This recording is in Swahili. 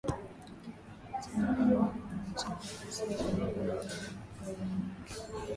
changanya na uache kwa lisaa limoja hamira iumuke